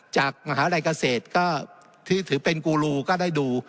จากมหาวิทยาลัยเกษตรก็ถือเป็นกูรูก็ได้ดู